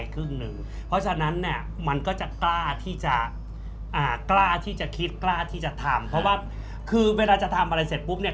คือเวลาจะทำอะไรเสร็จไปก็มีปุ๊บเนี่ย